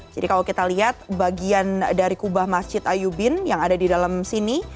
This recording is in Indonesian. jadi kalau kita lihat bagian dari kubah masjid ayubin yang ada di dalam sini